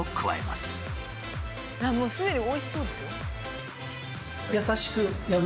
すでにおいしそうですよ。